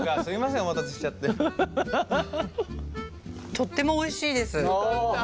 とってもおいしいです。